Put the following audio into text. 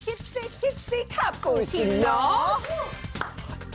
คิดคิดสิครับครูชินเนาะ